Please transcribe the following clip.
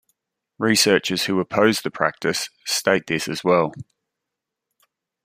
Researchers who oppose the practice state this as well.